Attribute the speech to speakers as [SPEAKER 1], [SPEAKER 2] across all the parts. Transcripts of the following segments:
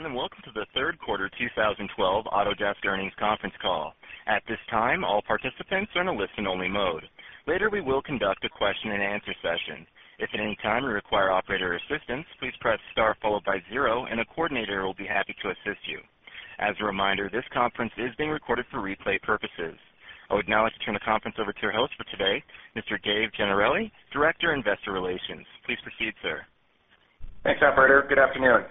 [SPEAKER 1] Good day everyone, and welcome to the Third Quarter 2012 Autodesk Earnings Conference Call. At this time, all participants are in a listen-only mode. Later, we will conduct a question-and-answer session. If at any time you require operator assistance, please press star followed by zero, and a coordinator will be happy to assist you. As a reminder, this conference is being recorded for replay purposes. I would now like to turn the conference over to our host for today, Mr. Dave Gennarelli, Director of Investor Relations. Please proceed, sir.
[SPEAKER 2] Thanks, operator. Good afternoon.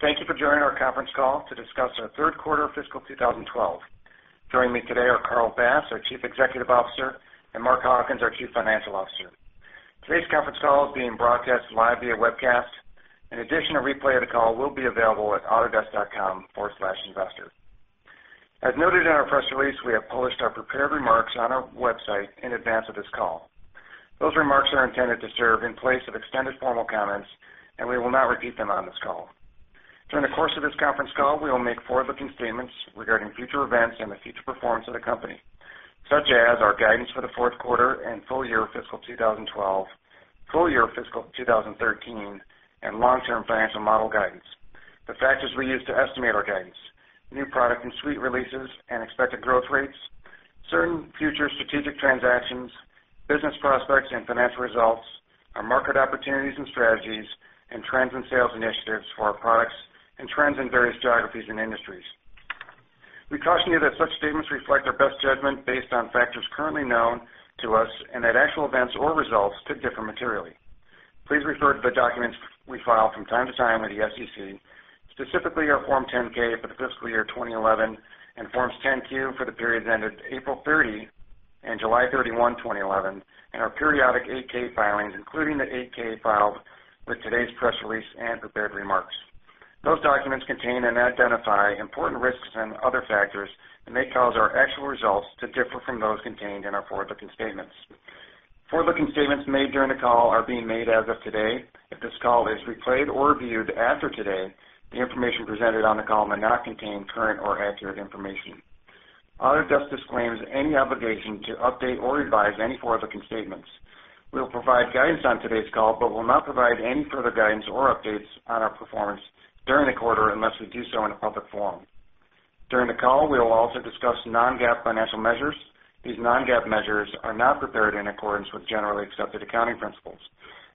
[SPEAKER 2] Thank you for joining our conference call to discuss our third quarter of fiscal 2012. Joining me today are Carl Bass, our Chief Executive Officer, and Mark Hawkins, our Chief Financial Officer. Today's conference call is being broadcast live via webcast. In addition, a replay of the call will be available at autodesk.com/investor. As noted in our press release, we have published our prepared remarks on our website in advance of this call. Those remarks are intended to serve in place of extended formal comments, and we will not repeat them on this call. During the course of this conference call, we will make forward-looking statements regarding future events and the future performance of the company, such as our guidance for the fourth quarter and full year of fiscal 2012, full year of fiscal 2013, and long-term financial model guidance. The factors we use to estimate our guidance: new product and suite releases and expected growth rates, certain future strategic transactions, business prospects and financial results, our market opportunities and strategies, and trends in sales initiatives for our products, and trends in various geographies and industries. We caution you that such statements reflect our best judgment based on factors currently known to us and that actual events or results could differ materially. Please refer to the documents we file from time to time at the SEC, specifically our Form 10-K for the fiscal year 2011 and Forms 10-Q for the periods ended April 30 and July 31, 2011, and our periodic 8-K filings, including the 8-K filed with today's press release and prepared remarks. Those documents contain and identify important risks and other factors that may cause our actual results to differ from those contained in our forward-looking statements. Forward-looking statements made during the call are being made as of today. If this call is replayed or viewed after today, the information presented on the call may not contain current or accurate information. Autodesk disclaims any obligation to update or revise any forward-looking statements. We will provide guidance on today's call, but will not provide any further guidance or updates on our performance during the quarter unless we do so in a public forum. During the call, we will also discuss non-GAAP financial measures. These non-GAAP measures are not prepared in accordance with generally accepted accounting principles.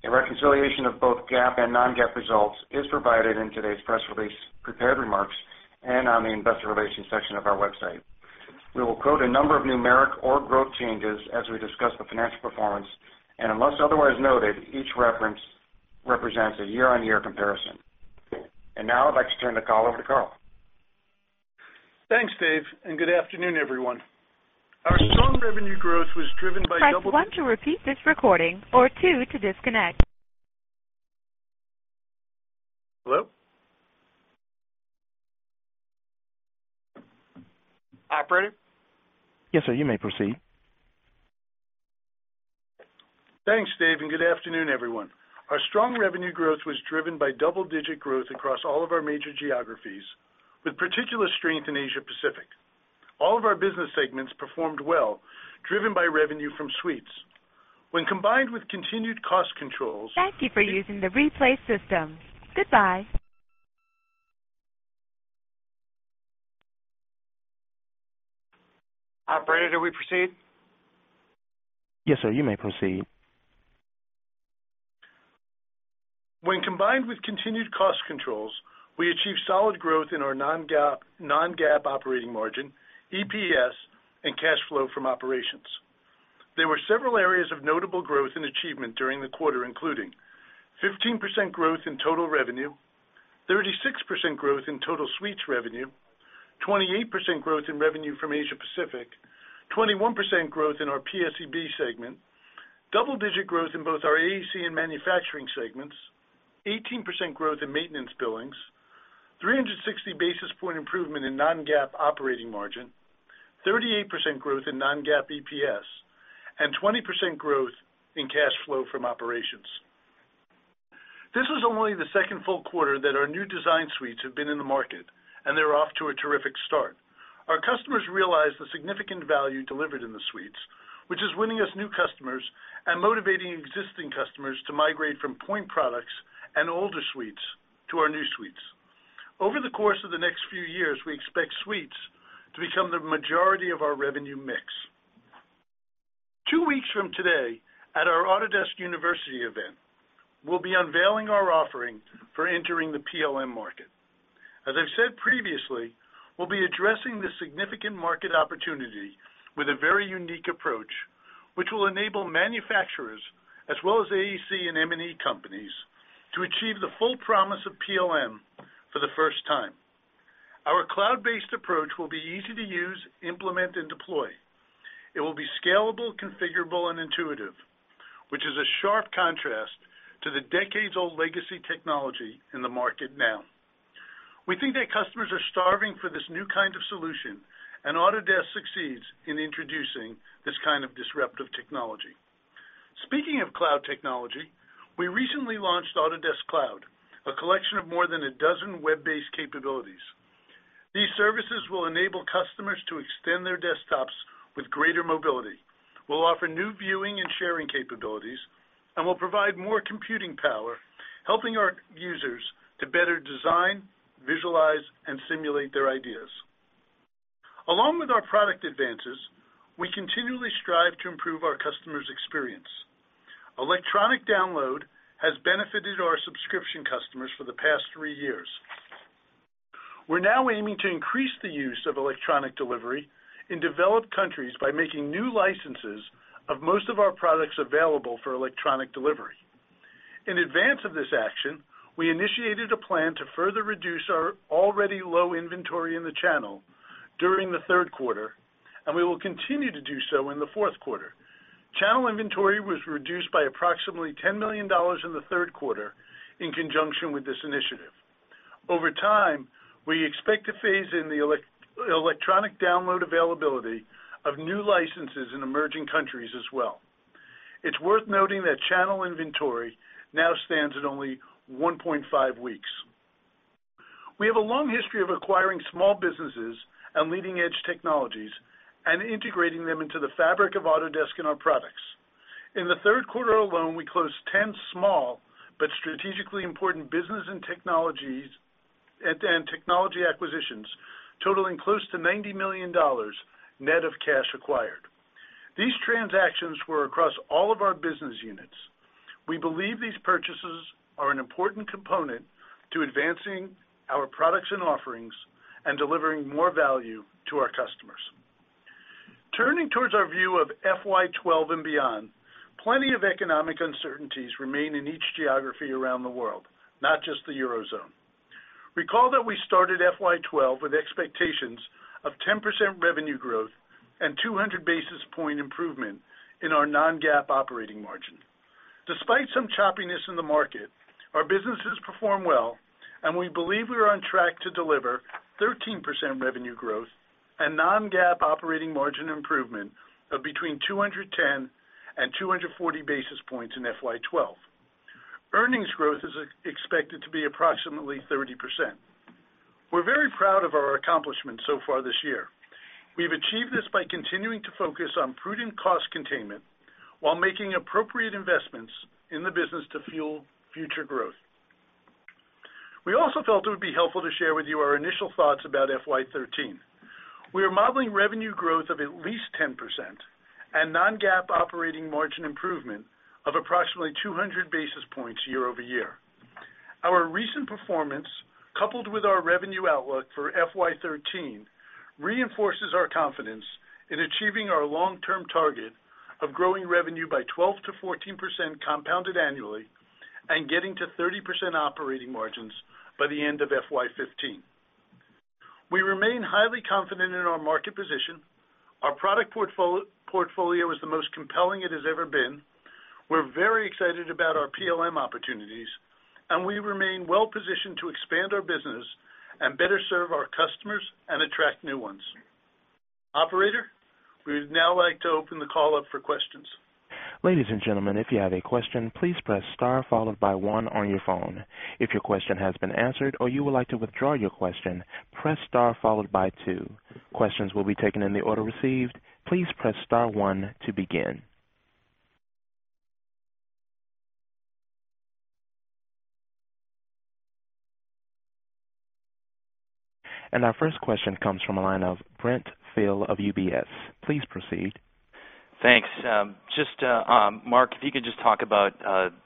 [SPEAKER 2] A reconciliation of both GAAP and non-GAAP results is provided in today's press release, prepared remarks, and on the investor relations section of our website. We will quote a number of numeric or growth changes as we discuss the financial performance, and unless otherwise noted, each reference represents a year-on-year comparison. Now I'd like to turn the call over to Carl.
[SPEAKER 3] Thanks, Dave, and good afternoon, everyone. Our long revenue growth was driven by double...
[SPEAKER 4] If I want to repeat this recording or to disconnect...
[SPEAKER 3] Hello? Operator?
[SPEAKER 1] Yes, sir, you may proceed.
[SPEAKER 3] Thanks, Dave, and good afternoon, everyone. Our strong revenue growth was driven by double-digit growth across all of our major geographies, with particular strength in Asia Pacific. All of our business segments performed well, driven by revenue from suites. When combined with continued cost controls...
[SPEAKER 4] Thank you for using the replay system. Goodbye.
[SPEAKER 3] Operator, do we proceed?
[SPEAKER 1] Yes, sir, you may proceed.
[SPEAKER 3] When combined with continued cost controls, we achieved solid growth in our non-GAAP operating margin, EPS, and cash flow from operations. There were several areas of notable growth and achievement during the quarter, including 15% growth in total revenue, 36% growth in total suites revenue, 28% growth in revenue from Asia Pacific, 21% growth in our PSEB segment, double-digit growth in both our AEC and manufacturing segments, 18% growth in maintenance billings, 360 basis point improvement in non-GAAP operating margin, 38% growth in non-GAAP EPS, and 20% growth in cash flow from operations. This was only the second full quarter that our new design suites have been in the market, and they're off to a terrific start. Our customers realize the significant value delivered in the suites, which is winning us new customers and motivating existing customers to migrate from point products and older suites to our new suites. Over the course of the next few years, we expect suites to become the majority of our revenue mix. Two weeks from today, at our Autodesk University event, we'll be unveiling our offering for entering the PLM market. As I've said previously, we'll be addressing the significant market opportunity with a very unique approach, which will enable manufacturers as well as AEC and M&E companies to achieve the full promise of PLM for the first time. Our cloud-based approach will be easy to use, implement, and deploy. It will be scalable, configurable, and intuitive, which is a sharp contrast to the decades-old legacy technology in the market now. We think that customers are starving for this new kind of solution, and Autodesk succeeds in introducing this kind of disruptive technology. Speaking of cloud technology, we recently launched Autodesk Cloud, a collection of more than a dozen web-based capabilities. These services will enable customers to extend their desktops with greater mobility, will offer new viewing and sharing capabilities, and will provide more computing power, helping our users to better design, visualize, and simulate their ideas. Along with our product advances, we continually strive to improve our customers' experience. Electronic download has benefited our subscription customers for the past three years. We're now aiming to increase the use of electronic delivery in developed countries by making new licenses of most of our products available for electronic delivery. In advance of this action, we initiated a plan to further reduce our already low inventory in the channel during the third quarter, and we will continue to do so in the fourth quarter. Channel inventory was reduced by approximately $10 million in the third quarter in conjunction with this initiative. Over time, we expect to phase in the electronic download availability of new licenses in emerging countries as well. It's worth noting that channel inventory now stands at only 1.5 weeks. We have a long history of acquiring small businesses and leading-edge technologies and integrating them into the fabric of Autodesk and our products. In the third quarter alone, we closed 10 small but strategically important business and technology acquisitions, totaling close to $90 million net of cash acquired. These transactions were across all of our business units. We believe these purchases are an important component to advancing our products and offerings and delivering more value to our customers. Turning towards our view of FY 2012 and beyond, plenty of economic uncertainties remain in each geography around the world, not just the Eurozone. Recall that we started FY 2012 with expectations of 10% revenue growth and 200 basis point improvement in our non-GAAP operating margin. Despite some choppiness in the market, our businesses perform well, and we believe we are on track to deliver 13% revenue growth and non-GAAP operating margin improvement of between 210 basis points and 240 basis points in FY 2012. Earnings growth is expected to be approximately 30%. We're very proud of our accomplishments so far this year. We've achieved this by continuing to focus on prudent cost containment while making appropriate investments in the business to fuel future growth. We also felt it would be helpful to share with you our initial thoughts about FY 2013. We are modeling revenue growth of at least 10% and non-GAAP operating margin improvement of approximately 200 basis points year-over-year. Our recent performance, coupled with our revenue outlook for FY 2013, reinforces our confidence in achieving our long-term target of growing revenue by 12%-14% compounded annually and getting to 30% operating margins by the end of FY 2015. We remain highly confident in our market position. Our product portfolio is the most compelling it has ever been. We're very excited about our PLM opportunities, and we remain well-positioned to expand our business and better serve our customers and attract new ones. Operator, we would now like to open the call up for questions.
[SPEAKER 1] Ladies and gentlemen, if you have a question, please press star followed by one on your phone. If your question has been answered or you would like to withdraw your question, press star followed by two. Questions will be taken in the order received. Please press star one to begin. Our first question comes from the line of Brent Thill of UBS. Please proceed.
[SPEAKER 5] Thanks. Mark, if you could just talk about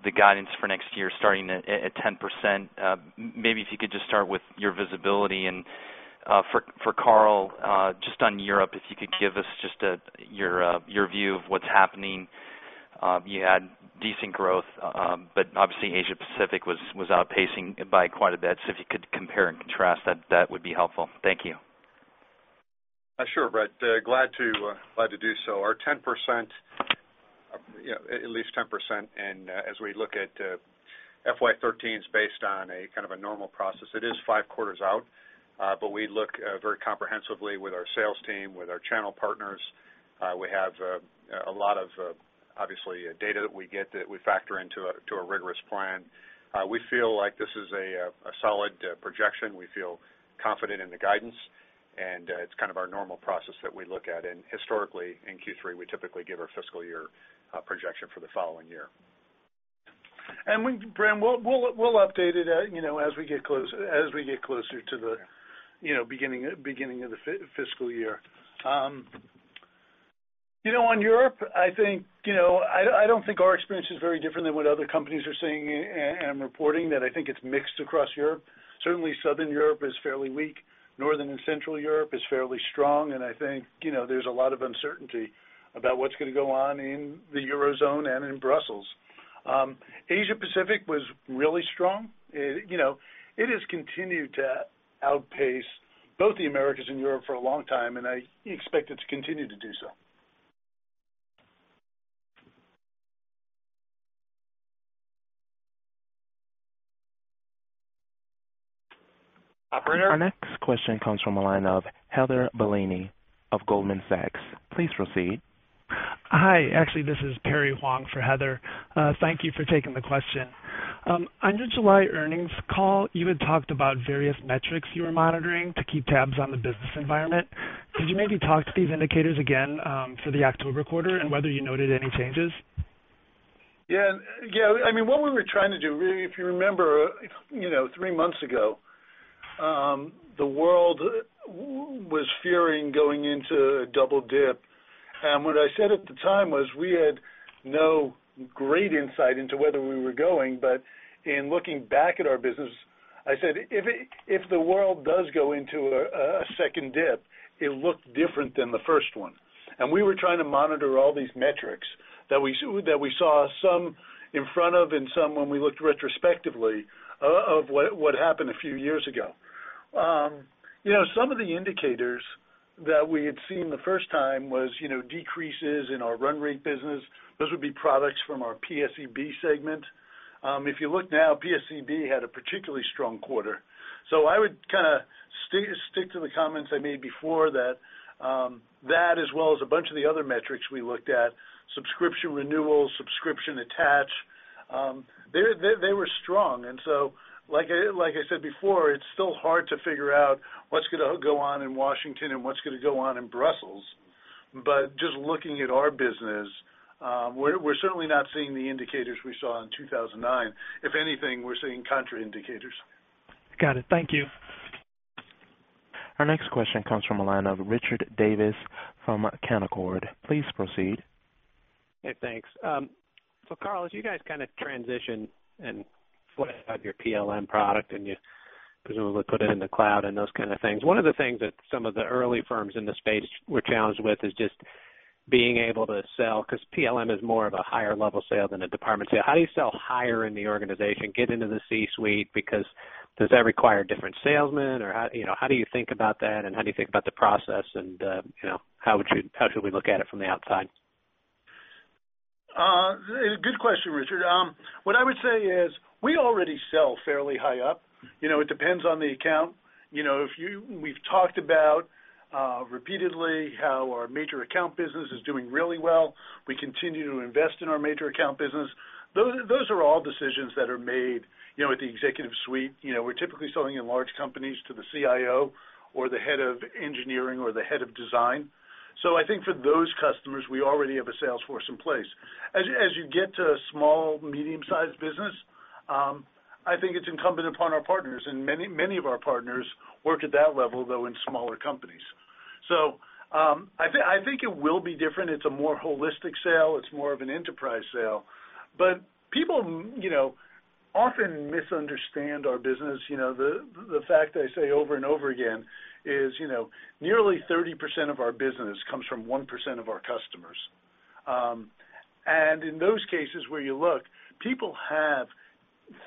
[SPEAKER 5] the guidance for next year starting at 10%. Maybe if you could just start with your visibility and for Carl, just on Europe, if you could give us just your view of what's happening. You had decent growth, but obviously Asia Pacific was outpacing by quite a bit. If you could compare and contrast, that would be helpful. Thank you.
[SPEAKER 6] Sure, Brent. Glad to do so. Our 10%, at least 10%, as we look at FY 2013, is based on a kind of a normal process. It is five quarters out, but we look very comprehensively with our sales team and with our channel partners. We have a lot of, obviously, data that we get that we factor into a rigorous plan. We feel like this is a solid projection. We feel confident in the guidance, and it's kind of our normal process that we look at. Historically, in Q3, we typically give our fiscal year projection for the following year.
[SPEAKER 3] Brent, we'll update it as we get closer to the beginning of the fiscal year. On Europe, I don't think our experience is very different than what other companies are saying and reporting. I think it's mixed across Europe. Certainly, Southern Europe is fairly weak. Northern and Central Europe is fairly strong, and there's a lot of uncertainty about what's going to go on in the Eurozone and in Brussels. Asia Pacific was really strong. It has continued to outpace both the Americas and Europe for a long time, and I expect it to continue to do so. Operator,
[SPEAKER 1] Our next question comes from the line of Heather Bellini of Goldman Sachs. Please proceed.
[SPEAKER 7] Hi. This is Perry Huang for Heather. Thank you for taking the question. On your July earnings call, you had talked about various metrics you were monitoring to keep tabs on the business environment. Could you maybe talk to these indicators again for the October quarter and whether you noted any changes?
[SPEAKER 3] Yeah. I mean, what we were trying to do, if you remember, three months ago, the world was fearing going into a double dip. What I said at the time was we had no great insight into whether we were going, but in looking back at our business, I said if the world does go into a second dip, it looked different than the first one. We were trying to monitor all these metrics that we saw, some in front of and some when we looked retrospectively at what happened a few years ago. Some of the indicators that we had seen the first time were decreases in our run rate business. Those would be products from our PSEB segment. If you look now, PSEB had a particularly strong quarter. I would kind of stick to the comments I made before that, as well as a bunch of the other metrics we looked at, subscription renewals, subscription attached, they were strong. Like I said before, it's still hard to figure out what's going to go on in Washington and what's going to go on in Brussels. Just looking at our business, we're certainly not seeing the indicators we saw in 2009. If anything, we're seeing contraindicators.
[SPEAKER 7] Got it. Thank you.
[SPEAKER 1] Our next question comes from the line of Richard Davis from Canaccord. Please proceed.
[SPEAKER 8] Hey, thanks. Carl, as you guys kind of transitioned and flipped out your PLM product and you presumably put it in the cloud and those kinds of things, one of the things that some of the early firms in the space were challenged with is just being able to sell because PLM is more of a higher-level sale than a department sale. How do you sell higher in the organization, get into the C-suite? Does that require a different salesman? How do you think about that? How do you think about the process? How should we look at it from the outside?
[SPEAKER 3] Good question, Richard. What I would say is we already sell fairly high up. It depends on the account. We've talked about repeatedly how our major account business is doing really well. We continue to invest in our major account business. Those are all decisions that are made at the executive suite. We're typically selling in large companies to the CIO or the head of engineering or the head of design. I think for those customers, we already have a sales force in place. As you get to a small, medium-sized business, I think it's incumbent upon our partners. Many of our partners work at that level, though, in smaller companies. I think it will be different. It's a more holistic sale. It's more of an enterprise sale. People often misunderstand our business. The fact that I say over and over again is, nearly 30% of our business comes from 1% of our customers. In those cases where you look, people have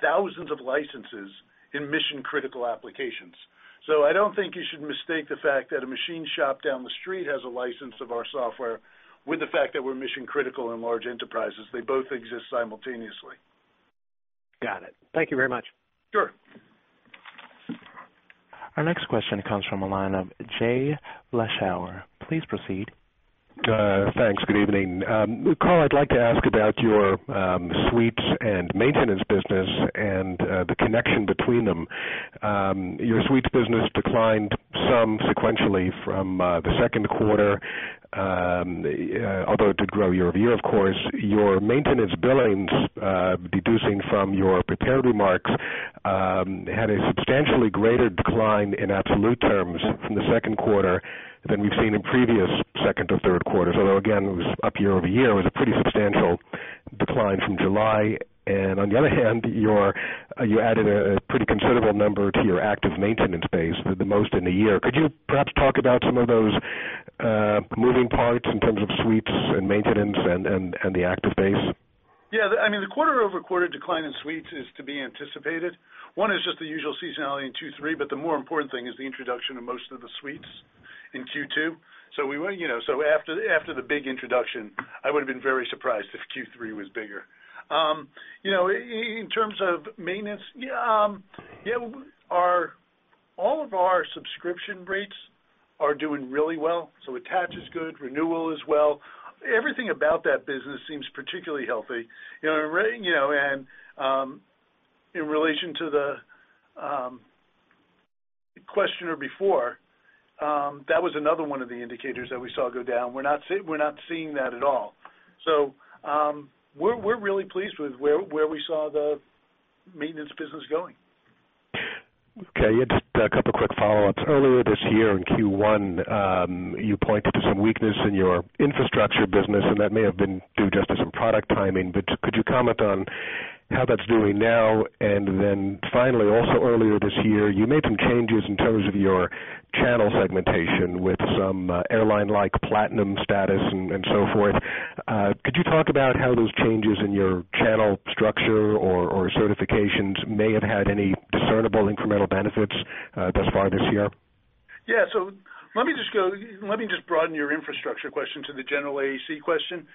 [SPEAKER 3] thousands of licenses in mission-critical applications. I don't think you should mistake the fact that a machine shop down the street has a license of our software with the fact that we're mission-critical in large enterprises. They both exist simultaneously.
[SPEAKER 8] Got it. Thank you very much.
[SPEAKER 3] Sure.
[SPEAKER 1] Our next question comes from a line of Jay Vleeschhouwer. Please proceed.
[SPEAKER 9] Thanks. Good evening. Carl, I'd like to ask about your suites and maintenance business and the connection between them. Your suites business declined some sequentially from the second quarter, although it did grow year-over-year, of course. Your maintenance billings, deducing from your prepared remarks, had a substantially greater decline in absolute terms from the second quarter than we've seen in previous second or third quarters. Although, again, up year-over-year, it was a pretty substantial decline since July. On the other hand, you added a pretty considerable number to your active maintenance base, the most in a year. Could you perhaps talk about some of those moving parts in terms of suites and maintenance and the active base?
[SPEAKER 3] Yeah. I mean, the quarter-over-quarter decline in suites is to be anticipated. One is just the usual seasonality in Q3, but the more important thing is the introduction of most of the suites in Q2. After the big introduction, I would have been very surprised if Q3 was bigger. In terms of maintenance, yeah, all of our subscription rates are doing really well. Attach is good. Renewal is well. Everything about that business seems particularly healthy. In relation to the questioner before, that was another one of the indicators that we saw go down. We're not seeing that at all. We're really pleased with where we saw the maintenance business going.
[SPEAKER 9] Okay. Yeah, just a couple of quick follow-ups. Earlier this year in Q1, you pointed to some weakness in your infrastructure business, and that may have been due just to some product timing, but could you comment on how that's doing now? Finally, also earlier this year, you made some changes in terms of your channel segmentation with some airline-like platinum status and so forth. Could you talk about how those changes in your channel structure or certifications may have had any discernible incremental benefits thus far this year?
[SPEAKER 3] Yeah. Let me just broaden your infrastructure question to the general AEC question.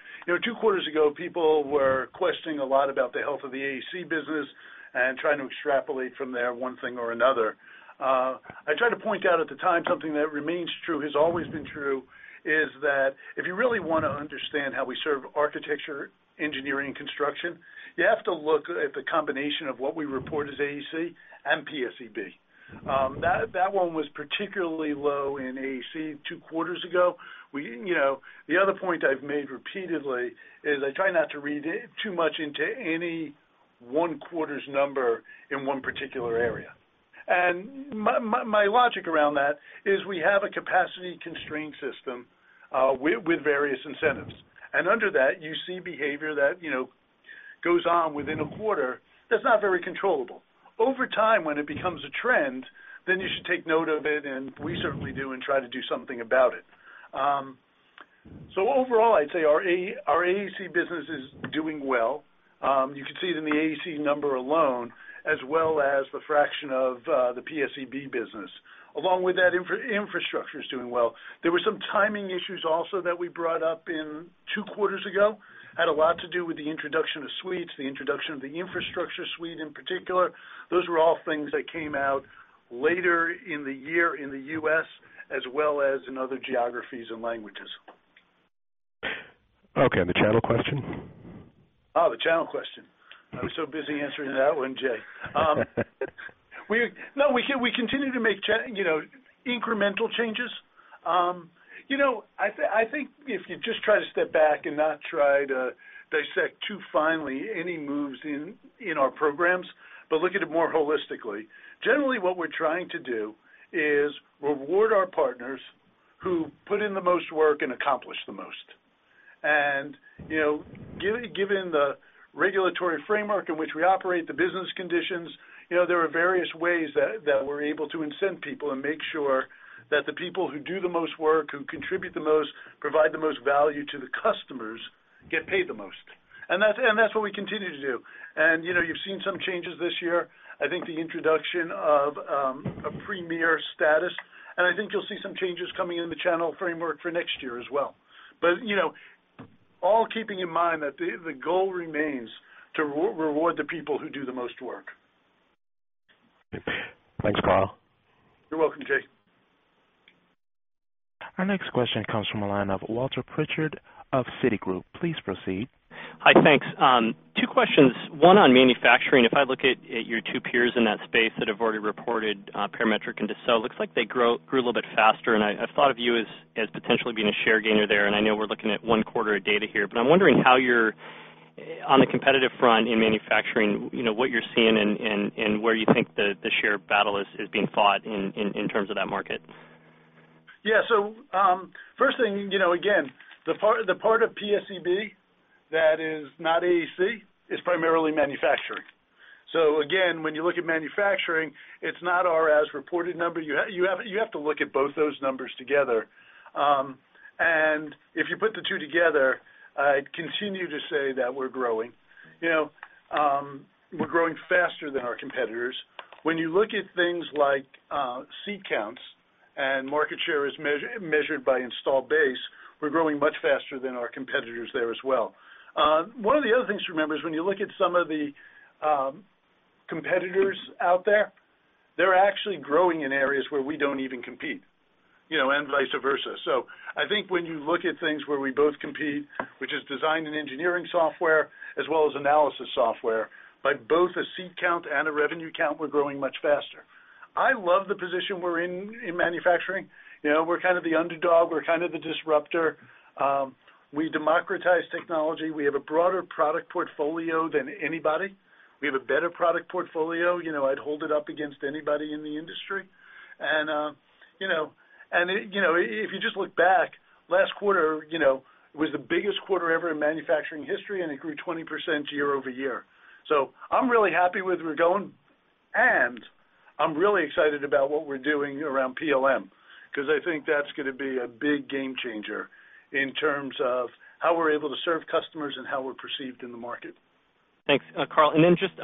[SPEAKER 3] Two quarters ago, people were questioning a lot about the health of the AEC business and trying to extrapolate from there one thing or another. I tried to point out at the time something that remains true, has always been true, is that if you really want to understand how we serve architecture, engineering, and construction, you have to look at the combination of what we report as AEC and PSEB. That one was particularly low in AEC two quarters ago. The other point I've made repeatedly is I try not to read too much into any one quarter's number in one particular area. My logic around that is we have a capacity constraint system with various incentives. Under that, you see behavior that goes on within a quarter that's not very controllable. Over time, when it becomes a trend, you should take note of it, and we certainly do and try to do something about it. Overall, I'd say our AEC business is doing well. You can see it in the AEC number alone, as well as the fraction of the PSEB business. Along with that, infrastructure is doing well. There were some timing issues also that we brought up two quarters ago. It had a lot to do with the introduction of suites, the introduction of the infrastructure suite in particular. Those were all things that came out later in the year in the U.S., as well as in other geographies and languages.
[SPEAKER 9] Okay. The channel question?
[SPEAKER 3] Oh, the channel question. I was so busy answering that one, Jay. No, we continue to make incremental changes. I think if you just try to step back and not try to dissect too finely any moves in our programs, but look at it more holistically. Generally, what we're trying to do is reward our partners who put in the most work and accomplish the most. Given the regulatory framework in which we operate, the business conditions, there are various ways that we're able to incent people and make sure that the people who do the most work, who contribute the most, provide the most value to the customers, get paid the most. That's what we continue to do. You've seen some changes this year. I think the introduction of a premier status, and I think you'll see some changes coming in the channel framework for next year as well, all keeping in mind that the goal remains to reward the people who do the most work.
[SPEAKER 9] Thanks, Carl.
[SPEAKER 3] You're welcome, Jay.
[SPEAKER 1] Our next question comes from the line of Walter Pritchard of Citigroup. Please proceed.
[SPEAKER 10] Hi, thanks. Two questions. One on manufacturing. If I look at your two peers in that space that have already reported, Parametric and Dassault, it looks like they grew a little bit faster. I thought of you as potentially being a share gainer there. I know we're looking at one quarter of data here, but I'm wondering how you're on the competitive front in manufacturing, what you're seeing and where you think the share battle is being fought in terms of that market.
[SPEAKER 3] Yeah. First thing, the part of PSEB that is not AEC is primarily manufacturing. When you look at manufacturing, it's not our as-reported number. You have to look at both those numbers together. If you put the two together, I continue to say that we're growing. We're growing faster than our competitors. When you look at things like seat counts and market share as measured by install base, we're growing much faster than our competitors there as well. One of the other things to remember is when you look at some of the competitors out there, they're actually growing in areas where we don't even compete, and vice versa. I think when you look at things where we both compete, which is design and engineering software, as well as analysis software, by both a seat count and a revenue count, we're growing much faster. I love the position we're in in manufacturing. We're kind of the underdog. We're kind of the disruptor. We democratize technology. We have a broader product portfolio than anybody. We have a better product portfolio. I'd hold it up against anybody in the industry. If you just look back, last quarter, it was the biggest quarter ever in manufacturing history, and it grew 20% year-over-year. I'm really happy with where we're going. I'm really excited about what we're doing around PLM because I think that's going to be a big game changer in terms of how we're able to serve customers and how we're perceived in the market.
[SPEAKER 10] Thanks, Carl.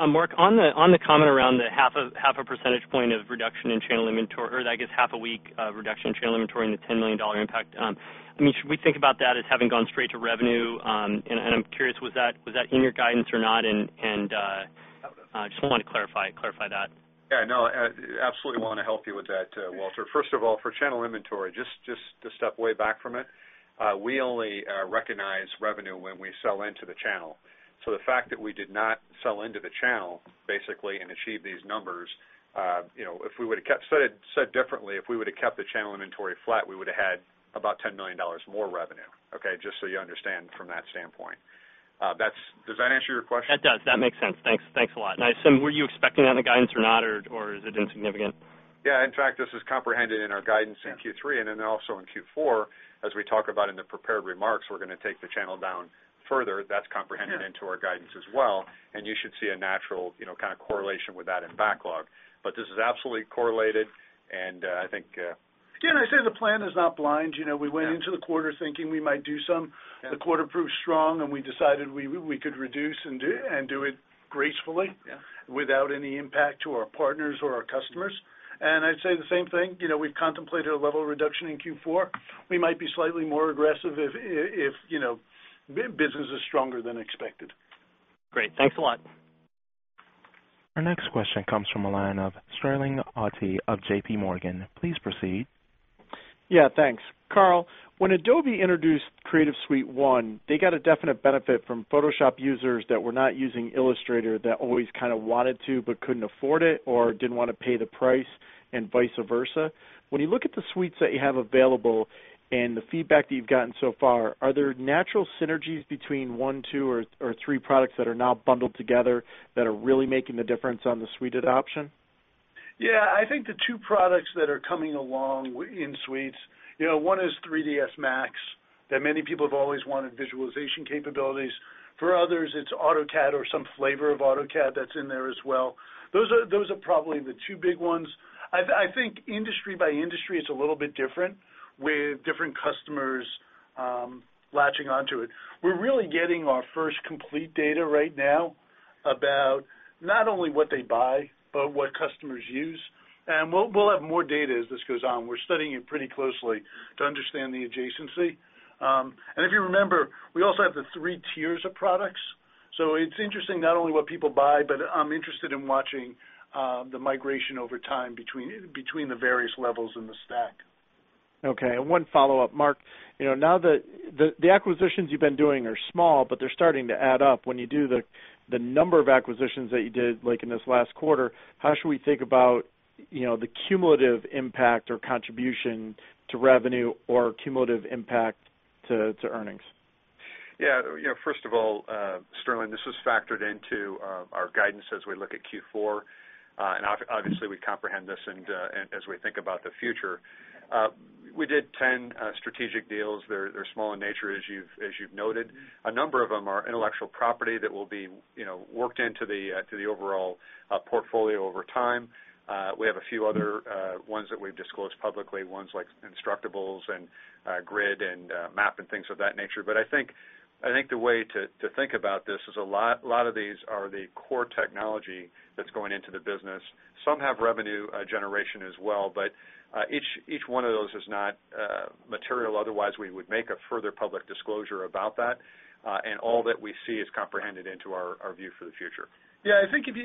[SPEAKER 10] Mark, on the comment around the half a percentage point of reduction in channel inventory, that gives half a week reduction in channel inventory in the $10 million impact. Should we think about that as having gone straight to revenue? I'm curious, was that in your guidance or not? I just wanted to clarify that.
[SPEAKER 6] Absolutely want to help you with that, Walter. First of all, for channel inventory, just to step way back from it, we only recognize revenue when we sell into the channel. The fact that we did not sell into the channel, basically, and achieve these numbers, if we would have kept, said differently, if we would have kept the channel inventory flat, we would have had about $10 million more revenue, okay? Just so you understand from that standpoint. Does that answer your question?
[SPEAKER 10] That makes sense. Thanks a lot. I assume, were you expecting that in the guidance or not, or is it insignificant?
[SPEAKER 6] In fact, this is comprehended in our guidance in Q3, and then also in Q4, as we talk about in the prepared remarks, we're going to take the channel down further. That's comprehended into our guidance as well. You should see a natural, you know, kind of correlation with that in backlog. This is absolutely correlated. I think.
[SPEAKER 3] The plan is not blind. We went into the quarter thinking we might do some. The quarter proved strong, and we decided we could reduce and do it gracefully without any impact to our partners or our customers. I'd say the same thing. We've contemplated a level reduction in Q4. We might be slightly more aggressive if business is stronger than expected.
[SPEAKER 10] Great, thanks a lot.
[SPEAKER 1] Our next question comes from the line of Sterling Auty of JPMorgan. Please proceed.
[SPEAKER 11] Yeah, thanks. Carl, when Adobe introduced Creative Suite 1, they got a definite benefit from Photoshop users that were not using Illustrator that always kind of wanted to but couldn't afford it or didn't want to pay the price and vice versa. When you look at the suites that you have available and the feedback that you've gotten so far, are there natural synergies between one, two, or three products that are now bundled together that are really making the difference on the suite adoption?
[SPEAKER 3] I think the two products that are coming along in suites, you know, one is 3ds Max that many people have always wanted visualization capabilities. For others, it's AutoCAD or some flavor of AutoCAD that's in there as well. Those are probably the two big ones. I think industry by industry, it's a little bit different with different customers latching onto it. We're really getting our first complete data right now about not only what they buy, but what customers use. We'll have more data as this goes on. We're studying it pretty closely to understand the adjacency. If you remember, we also have the three tiers of products. It's interesting not only what people buy, but I'm interested in watching the migration over time between the various levels in the stack.
[SPEAKER 11] Okay. One follow-up, Mark. Now that the acquisitions you've been doing are small, but they're starting to add up when you do the number of acquisitions that you did, like in this last quarter, how should we think about the cumulative impact or contribution to revenue or cumulative impact to earnings?
[SPEAKER 6] Yeah. First of all, Sterling, this was factored into our guidance as we look at Q4. Obviously, we comprehend this. As we think about the future, we did 10 strategic deals. They're small in nature, as you've noted. A number of them are intellectual property that will be worked into the overall portfolio over time. We have a few other ones that we've disclosed publicly, ones like Instructables and [GRIP] and MAP and things of that nature. I think the way to think about this is a lot of these are the core technology that's going into the business. Some have revenue generation as well, but each one of those is not material. Otherwise, we would make a further public disclosure about that. All that we see is comprehended into our view for the future.
[SPEAKER 3] Yeah, I think if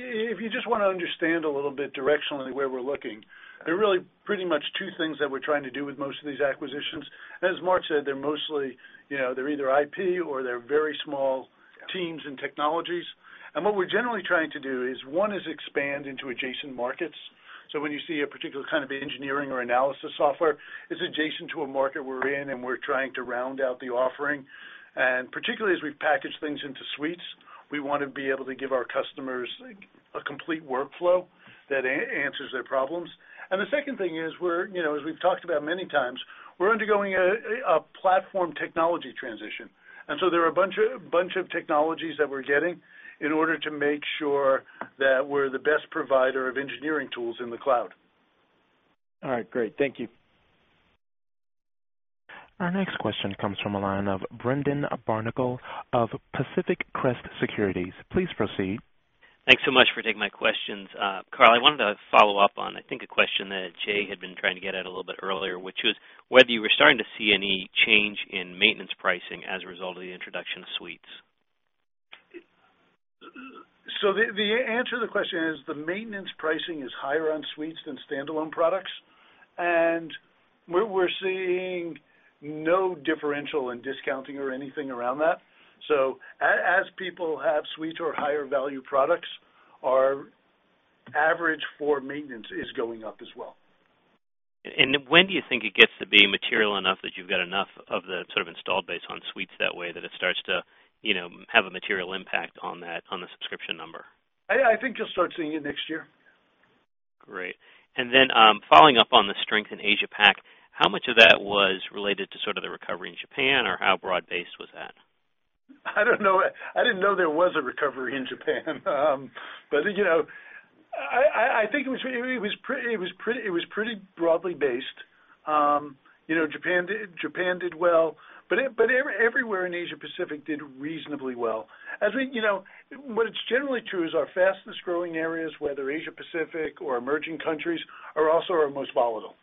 [SPEAKER 3] you just want to understand a little bit directionally where we're looking, there are really pretty much two things that we're trying to do with most of these acquisitions. As Mark said, they're mostly either IP or they're very small teams and technologies. What we're generally trying to do is, one, expand into adjacent markets. When you see a particular kind of engineering or analysis software, it's adjacent to a market we're in, and we're trying to round out the offering. Particularly as we package things into suites, we want to be able to give our customers a complete workflow that answers their problems. The second thing is, as we've talked about many times, we're undergoing a platform technology transition. There are a bunch of technologies that we're getting in order to make sure that we're the best provider of engineering tools in the cloud.
[SPEAKER 11] All right, great. Thank you.
[SPEAKER 1] Our next question comes from the line of Brendan Barnicle of Pacific Crest Securities. Please proceed.
[SPEAKER 12] Thanks so much for taking my questions. Carl, I wanted to follow up on, I think, a question that Jay had been trying to get at a little bit earlier, which was whether you were starting to see any change in maintenance pricing as a result of the introduction of suites.
[SPEAKER 3] The answer to the question is the maintenance pricing is higher on suites than standalone products. We're seeing no differential in discounting or anything around that. As people have suites or higher value products, our average for maintenance is going up as well.
[SPEAKER 12] When do you think it gets to be material enough that you've got enough of the sort of installed base on suites that way that it starts to, you know, have a material impact on that, on the subscription number?
[SPEAKER 3] I think just start seeing it next year.
[SPEAKER 12] Great. Following up on the strength in Asia Pacific, how much of that was related to the recovery in Japan or how broad-based was that?
[SPEAKER 3] I don't know. I didn't know there was a recovery in Japan. You know, I think it was pretty broadly based. You know, Japan did well. Everywhere in Asia Pacific did reasonably well. What is generally true is our fastest growing areas, whether Asia Pacific or emerging countries, are also our most volatile.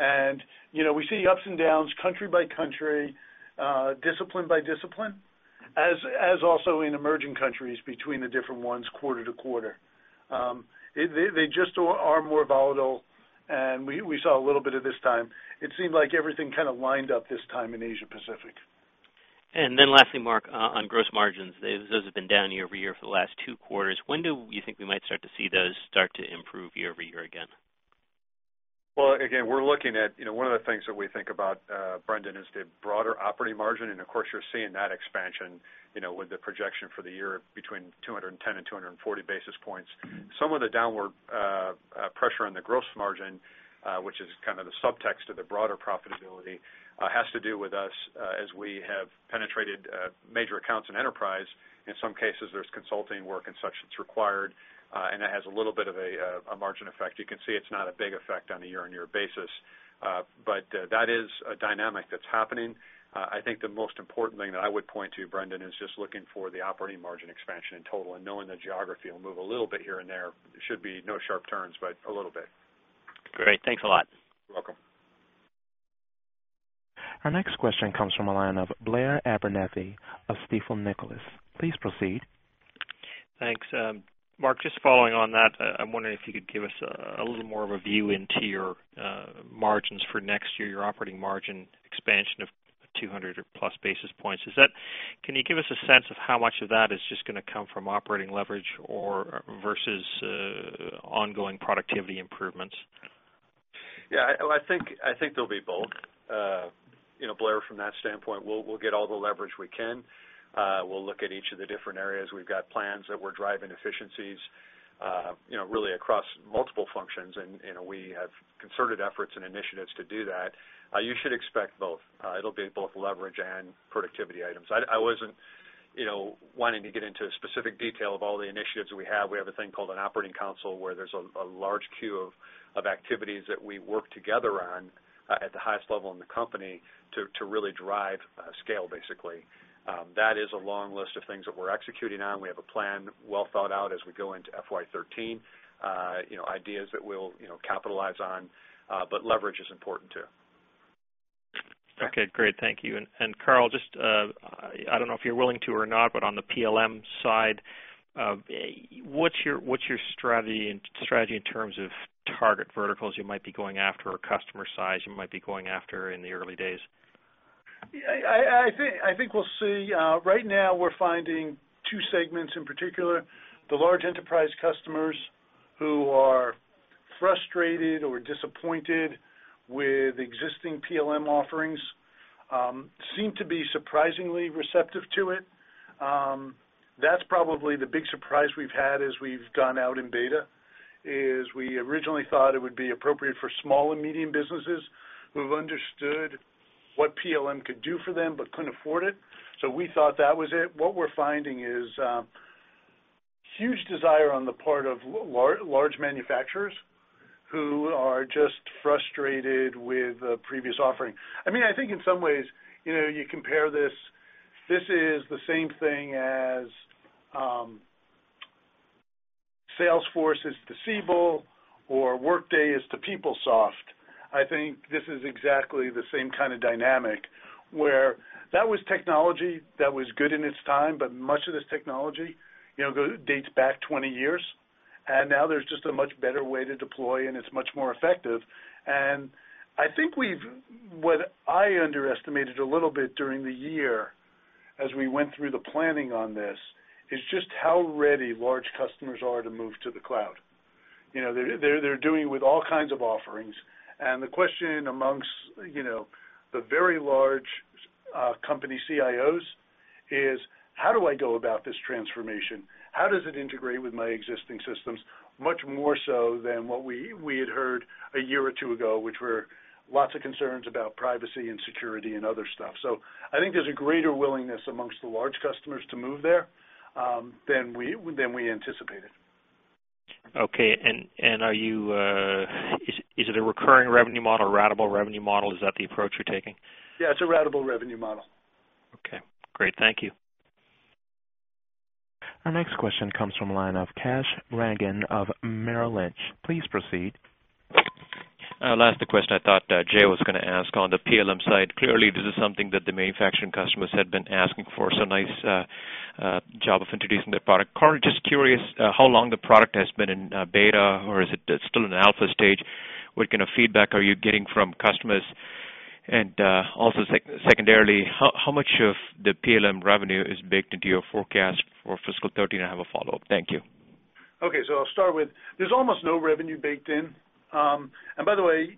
[SPEAKER 3] We see ups and downs country by country, discipline by discipline, as also in emerging countries between the different ones quarter-to-quarter. They just are more volatile. We saw a little bit of this time. It seemed like everything kind of lined up this time in Asia Pacific.
[SPEAKER 12] Mark, on gross margins, those have been down year-over-year for the last two quarters. When do you think we might start to see those start to improve year-over-year again?
[SPEAKER 6] We're looking at, you know, one of the things that we think about, Brendan, is the broader operating margin. Of course, you're seeing that expansion, you know, with the projection for the year between 210 basis points and 240 basis points. Some of the downward pressure on the gross margin, which is kind of the subtext of the broader profitability, has to do with us as we have penetrated major accounts in enterprise. In some cases, there's consulting work and such that's required, and it has a little bit of a margin effect. You can see it's not a big effect on a year-on-year basis. That is a dynamic that's happening. I think the most important thing that I would point to, Brendan, is just looking for the operating margin expansion in total and knowing the geography will move a little bit here and there. It should be no sharp turns, but a little bit.
[SPEAKER 12] Great, thanks a lot.
[SPEAKER 6] You're welcome.
[SPEAKER 1] Our next question comes from the line of Blair Abernethy of Stifel Nicolaus. Please proceed.
[SPEAKER 13] Thanks. Mark, just following on that, I'm wondering if you could give us a little more of a view into your margins for next year, your operating margin expansion of 200+ basis points. Can you give us a sense of how much of that is just going to come from operating leverage versus ongoing productivity improvements?
[SPEAKER 6] Yeah, I think there'll be both. You know, Blair, from that standpoint, we'll get all the leverage we can. We'll look at each of the different areas. We've got plans that we're driving efficiencies really across multiple functions. We have concerted efforts and initiatives to do that. You should expect both. It'll be both leverage and productivity items. I wasn't wanting to get into a specific detail of all the initiatives we have. We have a thing called an operating council where there's a large queue of activities that we work together on at the highest level in the company to really drive scale, basically. That is a long list of things that we're executing on. We have a plan well thought out as we go into FY 2013, ideas that we'll capitalize on. Leverage is important too.
[SPEAKER 13] Okay, great. Thank you. Carl, I don't know if you're willing to or not, but on the PLM side, what's your strategy in terms of target verticals you might be going after or customer size you might be going after in the early days?
[SPEAKER 3] I think we'll see. Right now, we're finding two segments in particular. The large enterprise customers who are frustrated or disappointed with existing PLM offerings seem to be surprisingly receptive to it. That's probably the big surprise we've had as we've gone out in beta, is we originally thought it would be appropriate for small and medium businesses who've understood what PLM could do for them but couldn't afford it. We thought that was it. What we're finding is huge desire on the part of large manufacturers who are just frustrated with a previous offering. I think in some ways, you know, you compare this, this is the same thing as Salesforce is to Siebel or Workday is to PeopleSoft. I think this is exactly the same kind of dynamic where that was technology that was good in its time, but much of this technology, you know, dates back 20 years. Now there's just a much better way to deploy, and it's much more effective. I think what I underestimated a little bit during the year as we went through the planning on this is just how ready large customers are to move to the cloud. You know, they're doing it with all kinds of offerings. The question amongst, you know, the very large company CIOs is, how do I go about this transformation? How does it integrate with my existing systems? Much more so than what we had heard a year or two ago, which were lots of concerns about privacy and security and other stuff. I think there's a greater willingness amongst the large customers to move there than we anticipated.
[SPEAKER 13] Okay. Is it a recurring revenue model, a ratable revenue model? Is that the approach you're taking?
[SPEAKER 3] Yeah, it's a ratable revenue model.
[SPEAKER 13] Okay, great. Thank you.
[SPEAKER 1] Our next question comes from the line of Cash Rangan of Merrill Lynch. Please proceed.
[SPEAKER 14] Last question I thought Jay was going to ask. On the PLM side, clearly, this is something that the manufacturing customers had been asking for. Nice job of introducing the product. Carl, just curious how long the product has been in beta or is it still in alpha stage? What kind of feedback are you getting from customers? Also, secondarily, how much of the PLM revenue is baked into your forecast for fiscal 2013? I have a follow-up. Thank you.
[SPEAKER 3] Okay, so I'll start with there's almost no revenue baked in. By the way,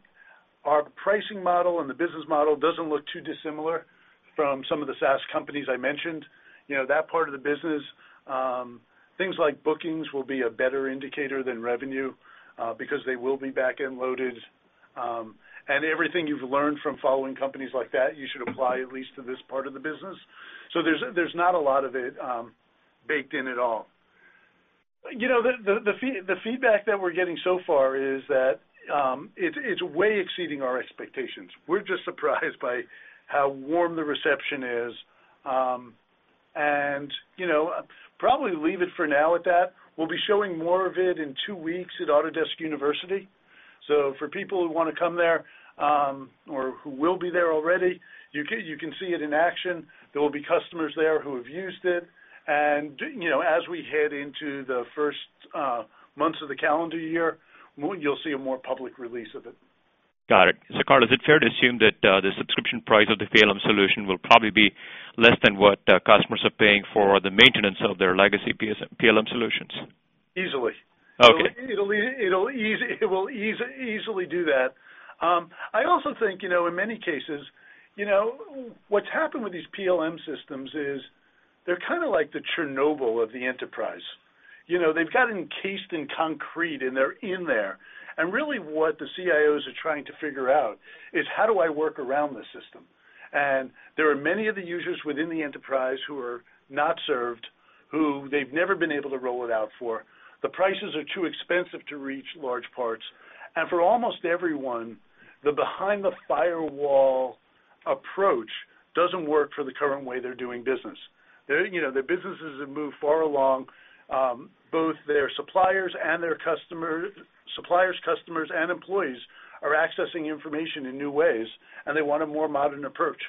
[SPEAKER 3] our pricing model and the business model doesn't look too dissimilar from some of the SaaS companies I mentioned. That part of the business, things like bookings will be a better indicator than revenue because they will be back-end loaded. Everything you've learned from following companies like that, you should apply at least to this part of the business. There's not a lot of it baked in at all. The feedback that we're getting so far is that it's way exceeding our expectations. We're just surprised by how warm the reception is. Probably leave it for now at that. We'll be showing more of it in two weeks at Autodesk University. For people who want to come there or who will be there already, you can see it in action. There will be customers there who have used it. As we head into the first months of the calendar year, you'll see a more public release of it.
[SPEAKER 14] Got it. Carl, is it fair to assume that the subscription price of the PLM solution will probably be less than what customers are paying for the maintenance of their legacy PLM solutions?
[SPEAKER 3] Easily.
[SPEAKER 14] Okay.
[SPEAKER 3] It'll easily do that. I also think, in many cases, what's happened with these PLM systems is they're kind of like the Chernobyl of the enterprise. They've got encased in concrete and they're in there. Really, what the CIOs are trying to figure out is how do I work around this system? There are many of the users within the enterprise who are not served, who they've never been able to roll it out for. The prices are too expensive to reach large parts. For almost everyone, the behind-the-firewall approach doesn't work for the current way they're doing business. Their businesses have moved far along. Both their suppliers and their customers, customers and employees are accessing information in new ways, and they want a more modern approach.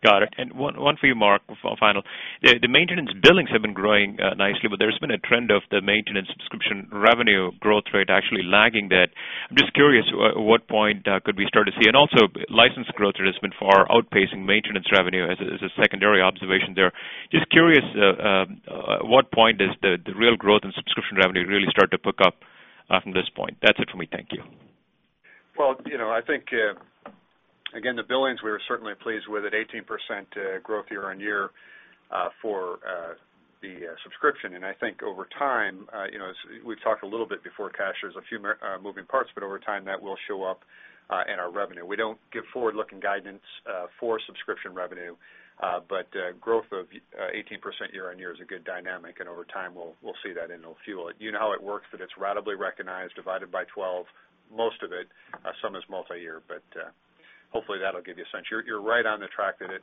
[SPEAKER 14] Got it. One for you, Mark, final. The maintenance billings have been growing nicely, but there's been a trend of the maintenance subscription revenue growth rate actually lagging that. I'm just curious at what point could we start to see? Also, license growth rate has been far outpacing maintenance revenue as a secondary observation there. Just curious, at what point does the real growth in subscription revenue really start to pick up from this point? That's it for me. Thank you.
[SPEAKER 6] I think, again, the billings we were certainly pleased with at 18% growth year-on-year for the subscription. I think over time, as we've talked a little bit before, Cash, there's a few moving parts, but over time that will show up in our revenue. We don't give forward-looking guidance for subscription revenue, but growth of 18% year-on-year is a good dynamic. Over time, we'll see that and it'll fuel it. You know how it works, that it's ratably recognized, divided by 12, most of it, some is multi-year, but hopefully that'll give you a sense. You're right on the track that it,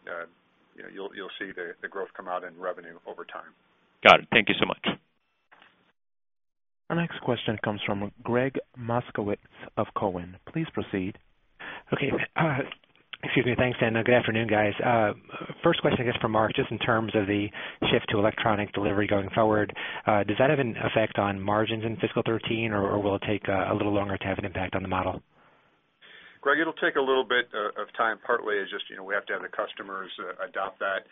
[SPEAKER 6] you know, you'll see the growth come out in revenue over time.
[SPEAKER 14] Got it. Thank you so much. Our next question comes from Greg Moskowitz of Cowen. Please proceed.
[SPEAKER 15] Okay, thanks. Good afternoon, guys. First question, I guess, for Mark, just in terms of the shift to electronic delivery going forward, does that have an effect on margins in fiscal 2013, or will it take a little longer to have an impact on the model?
[SPEAKER 6] Greg, it'll take a little bit of time. Partway is just, you know, we have to have the customers adopt that.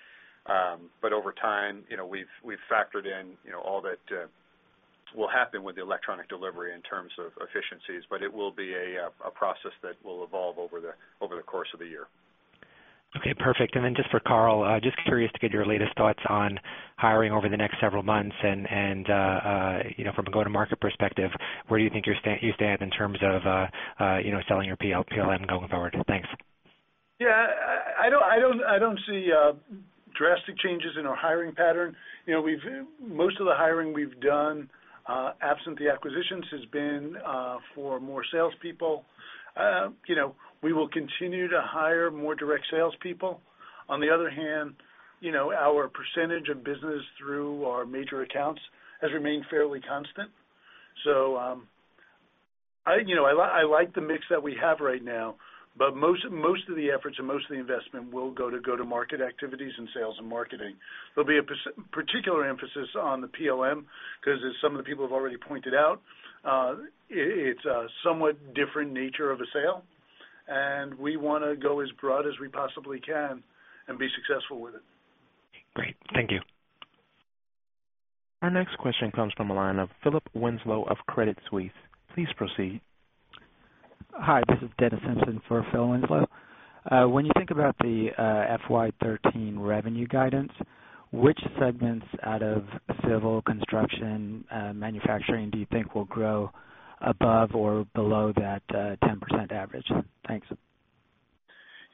[SPEAKER 6] Over time, you know, we've factored in, you know, all that will happen with the electronic delivery in terms of efficiencies. It will be a process that will evolve over the course of the year.
[SPEAKER 15] Okay, perfect. Just for Carl, curious to get your latest thoughts on hiring over the next several months. From a go-to-market perspective, where do you think you stand in terms of selling your PLM going forward? Thanks.
[SPEAKER 3] Yeah, I don't see drastic changes in our hiring pattern. Most of the hiring we've done absent the acquisitions has been for more salespeople. We will continue to hire more direct salespeople. On the other hand, our percentage of business through our major accounts has remained fairly constant. I like the mix that we have right now, but most of the efforts and most of the investment will go to go-to-market activities and sales and marketing. There'll be a particular emphasis on the PLM because, as some of the people have already pointed out, it's a somewhat different nature of a sale. We want to go as broad as we possibly can and be successful with it.
[SPEAKER 15] Great. Thank you.
[SPEAKER 1] Our next question comes from the line of Philip Winslow of Credit Suisse. Please proceed.
[SPEAKER 16] Hi, this is David Simpson for Phil Winslow. When you think about the FY 2013 revenue guidance, which segments out of civil, construction, manufacturing do you think will grow above or below that 10% average? Thanks.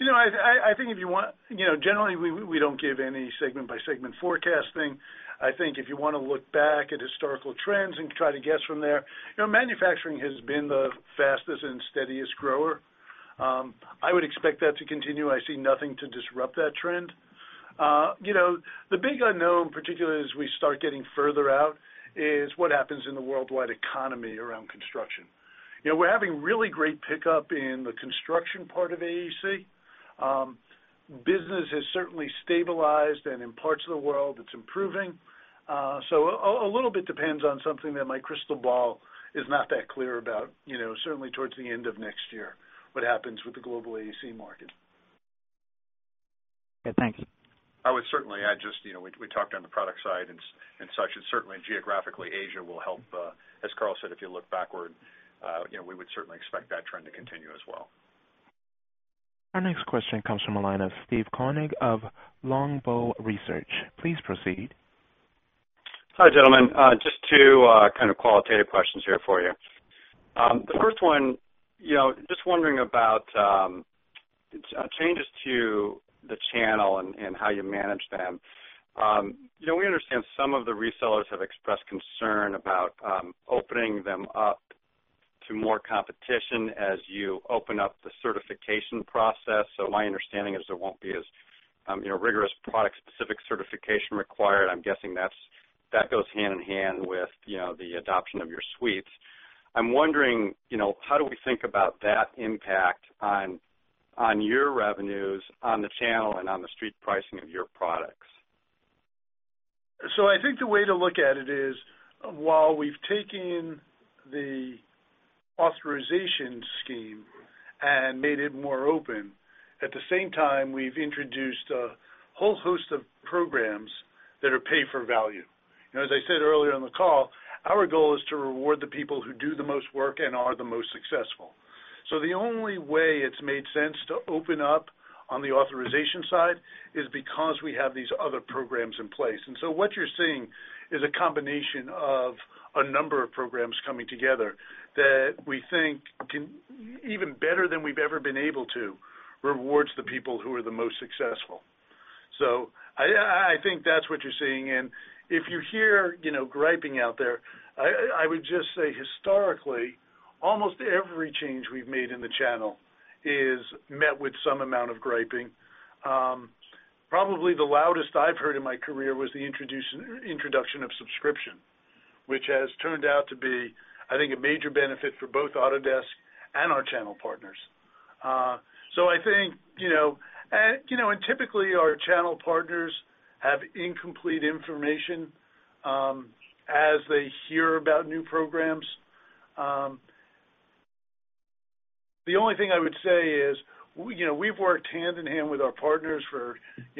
[SPEAKER 3] I think if you want, generally, we don't give any segment-by-segment forecasting. I think if you want to look back at historical trends and try to guess from there, Manufacturing has been the fastest and steadiest grower. I would expect that to continue. I see nothing to disrupt that trend. The big unknown, particularly as we start getting further out, is what happens in the worldwide economy around construction. We're having really great pickup in the construction part of AEC. Business has certainly stabilized, and in parts of the world, it's improving. A little bit depends on something that my crystal ball is not that clear about, certainly towards the end of next year, what happens with the global AEC market.
[SPEAKER 16] Okay, thanks.
[SPEAKER 6] I would certainly add just, you know, we talked on the product side and such. Certainly, geographically, Asia Pacific will help. As Carl said, if you look backward, you know, we would certainly expect that trend to continue as well.
[SPEAKER 1] Our next question comes from the line of Steve Koenig of Longbow Research. Please proceed.
[SPEAKER 17] Hi, gentlemen. Just two kind of qualitative questions here for you. The first one, just wondering about changes to the channel and how you manage them. We understand some of the resellers have expressed concern about opening them up to more competition as you open up the certification process. My understanding is there won't be as rigorous product-specific certification required. I'm guessing that goes hand in hand with the adoption of your suites. I'm wondering how do we think about that impact on your revenues, on the channel, and on the street pricing of your products?
[SPEAKER 3] I think the way to look at it is, while we've taken the authorization scheme and made it more open, at the same time, we've introduced a whole host of programs that are pay-for-value. As I said earlier on the call, our goal is to reward the people who do the most work and are the most successful. The only way it's made sense to open up on the authorization side is because we have these other programs in place. What you're seeing is a combination of a number of programs coming together that we think can even better than we've ever been able to reward the people who are the most successful. I think that's what you're seeing. If you hear griping out there, I would just say historically, almost every change we've made in the channel is met with some amount of griping. Probably the loudest I've heard in my career was the introduction of subscription, which has turned out to be, I think, a major benefit for both Autodesk and our channel partners. Typically, our channel partners have incomplete information as they hear about new programs. The only thing I would say is we've worked hand in hand with our partners for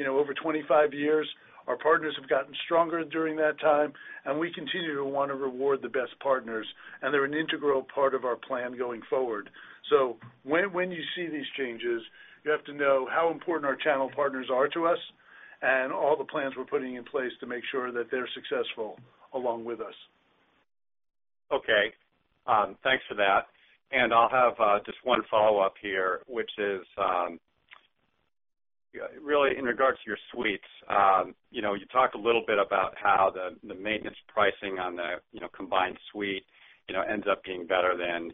[SPEAKER 3] over 25 years. Our partners have gotten stronger during that time, and we continue to want to reward the best partners. They're an integral part of our plan going forward. When you see these changes, you have to know how important our channel partners are to us and all the plans we're putting in place to make sure that they're successful along with us.
[SPEAKER 17] Okay. Thanks for that. I'll have just one follow-up here, which is really in regards to your suites. You talked a little bit about how the maintenance pricing on the combined suite ends up being better than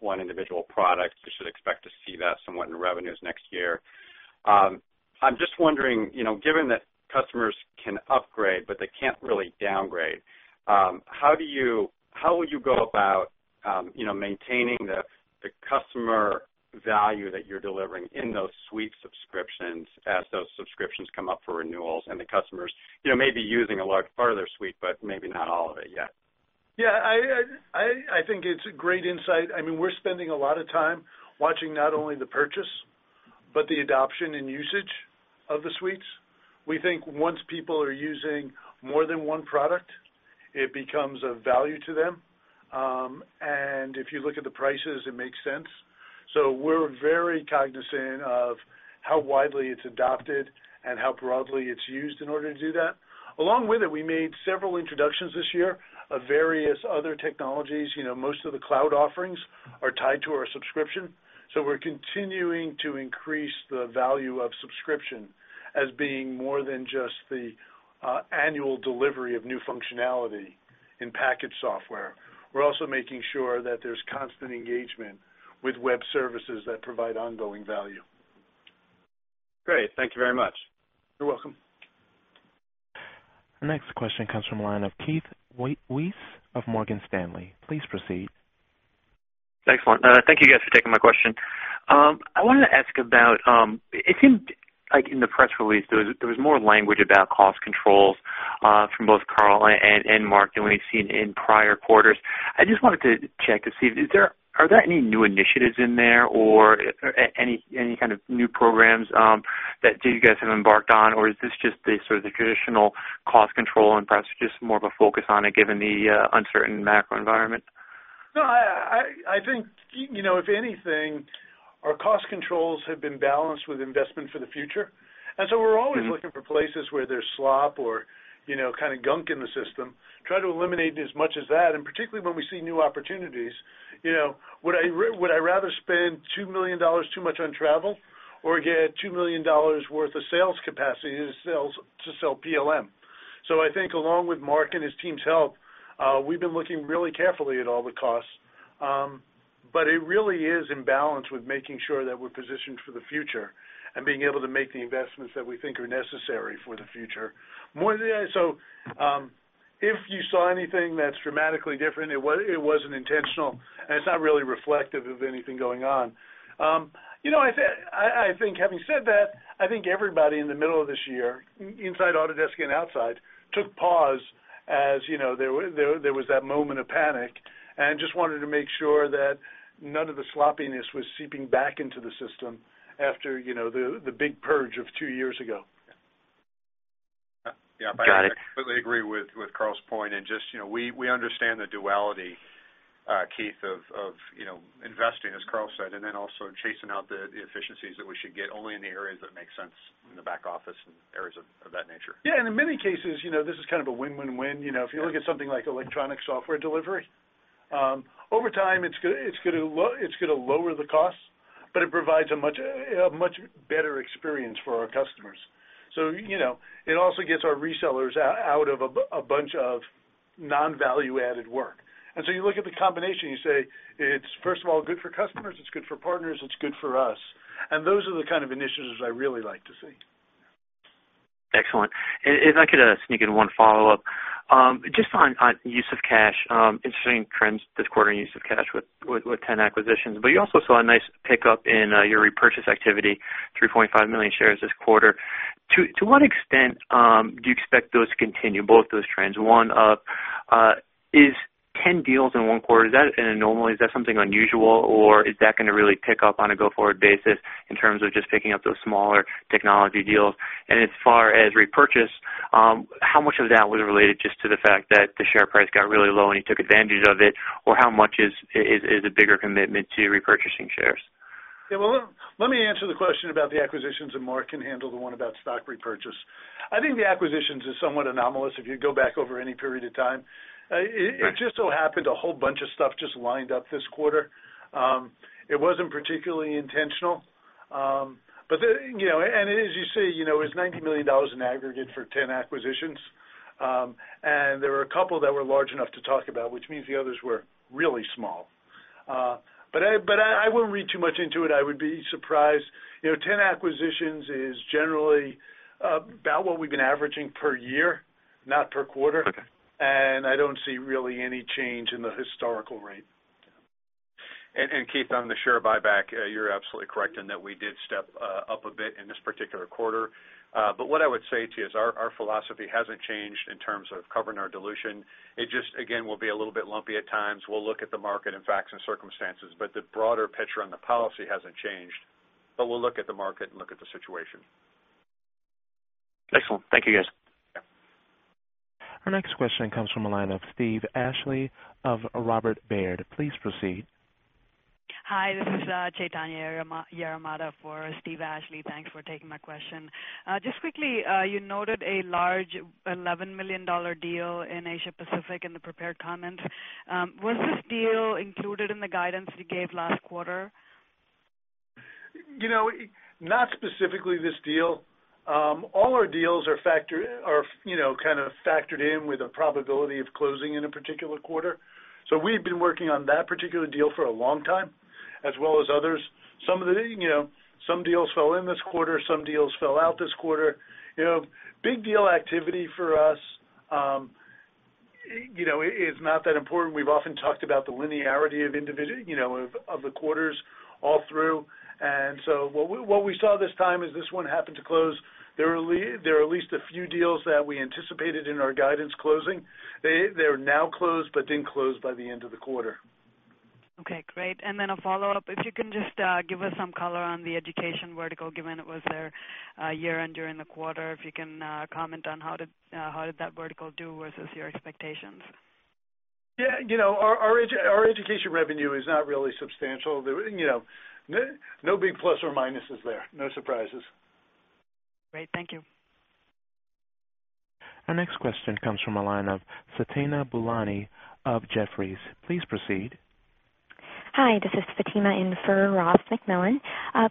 [SPEAKER 17] one individual product. We should expect to see that somewhat in revenues next year. I'm just wondering, given that customers can upgrade, but they can't really downgrade, how do you, how will you go about maintaining the customer value that you're delivering in those suite subscriptions as those subscriptions come up for renewals and the customers, you know, maybe using a large part of their suite, but maybe not all of it yet?
[SPEAKER 3] Yeah, I think it's great insight. I mean, we're spending a lot of time watching not only the purchase, but the adoption and usage of the suites. We think once people are using more than one product, it becomes of value to them. If you look at the prices, it makes sense. We are very cognizant of how widely it's adopted and how broadly it's used in order to do that. Along with it, we made several introductions this year of various other technologies. Most of the cloud offerings are tied to our subscription. We're continuing to increase the value of subscription as being more than just the annual delivery of new functionality in packaged software. We're also making sure that there's constant engagement with web services that provide ongoing value.
[SPEAKER 17] Great, thank you very much.
[SPEAKER 3] You're welcome.
[SPEAKER 1] Our next question comes from the line of Keith Weiss of Morgan Stanley. Please proceed.
[SPEAKER 18] Excellent. Thank you guys for taking my question. I wanted to ask about, it seemed like in the press release, there was more language about cost controls from both Carl and Mark than we've seen in prior quarters. I just wanted to check to see, are there any new initiatives in there or any kind of new programs that you guys have embarked on, or is this just the sort of the traditional cost control and perhaps just more of a focus on it given the uncertain macro environment?
[SPEAKER 3] No, I think if anything, our cost controls have been balanced with investment for the future. We're always looking for places where there's slop or kind of gunk in the system, try to eliminate as much as that. Particularly when we see new opportunities, would I rather spend $2 million too much on travel or get $2 million worth of sales capacity to sell PLM? I think along with Mark and his team's help, we've been looking really carefully at all the costs. It really is in balance with making sure that we're positioned for the future and being able to make the investments that we think are necessary for the future. If you saw anything that's dramatically different, it wasn't intentional, and it's not really reflective of anything going on. I think having said that, I think everybody in the middle of this year, inside Autodesk and outside, took pause as there was that moment of panic and just wanted to make sure that none of the sloppiness was seeping back into the system after the big purge of two years ago.
[SPEAKER 6] Yeah, I completely agree with Carl's point. We understand the duality, Keith, of investing, as Carl said, and also chasing out the efficiencies that we should get only in the areas that make sense in the back office and areas of that nature.
[SPEAKER 3] Yeah, and in many cases, this is kind of a win-win-win. If you look at something like electronic delivery, over time, it's going to lower the costs, but it provides a much better experience for our customers. It also gets our resellers out of a bunch of non-value-added work. You look at the combination, you say, it's, first of all, good for customers, it's good for partners, it's good for us. Those are the kind of initiatives I really like to see.
[SPEAKER 18] Excellent. If I could sneak in one follow-up, just on use of cash, interesting trends this quarter in use of cash with 10 acquisitions, but you also saw a nice pickup in your repurchase activity, 3.5 million shares this quarter. To what extent do you expect those to continue, both those trends? One, is 10 deals in one quarter an anomaly? Is that something unusual, or is that going to really pick up on a go-forward basis in terms of just picking up those smaller technology deals? As far as repurchase, how much of that was related just to the fact that the share price got really low and you took advantage of it, or how much is a bigger commitment to repurchasing shares?
[SPEAKER 3] Let me answer the question about the acquisitions and Mark can handle the one about stock repurchase. I think the acquisitions are somewhat anomalous if you go back over any period of time. It just so happened a whole bunch of stuff just lined up this quarter. It wasn't particularly intentional. As you say, it was $90 million in aggregate for 10 acquisitions. There were a couple that were large enough to talk about, which means the others were really small. I wouldn't read too much into it. I would be surprised. Ten acquisitions is generally about what we've been averaging per year, not per quarter. I don't see really any change in the historical rate.
[SPEAKER 6] Keith, on the share buyback, you're absolutely correct in that we did step up a bit in this particular quarter. What I would say to you is our philosophy hasn't changed in terms of covering our dilution. It just, again, will be a little bit lumpy at times. We'll look at the market and facts and circumstances, but the broader picture on the policy hasn't changed. We'll look at the market and look at the situation.
[SPEAKER 18] Excellent. Thank you, guys.
[SPEAKER 1] Our next question comes from the line of Steve Ashley of Robert Baird. Please proceed.
[SPEAKER 19] Hi, this is Chaitanya Yaramada for Steve Ashley. Thanks for taking my question. Just quickly, you noted a large $11 million deal in Asia Pacific in the prepared comments. Was this deal included in the guidance you gave last quarter?
[SPEAKER 3] Not specifically this deal. All our deals are factored in with a probability of closing in a particular quarter. We've been working on that particular deal for a long time, as well as others. Some deals fell in this quarter, some deals fell out this quarter. Big deal activity for us is not that important. We've often talked about the linearity of individual quarters all through. What we saw this time is this one happened to close. There are at least a few deals that we anticipated in our guidance closing. They're now closed, but didn't close by the end of the quarter.
[SPEAKER 19] Okay, great. A follow-up, if you can just give us some color on the education vertical, given it was their year-end during the quarter. If you can comment on how did that vertical do versus your expectations?
[SPEAKER 3] Yeah, you know, our education revenue is not really substantial. You know, no big plus or minuses there, no surprises.
[SPEAKER 19] Great, thank you.
[SPEAKER 1] Our next question comes from the line of Fatima Bulani of Jefferies. Please proceed.
[SPEAKER 20] Hi, this is Fatima in for Ross MacMillan.